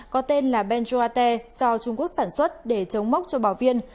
có tên là benjoate do trung quốc sản xuất để chống mốc cho bảo viên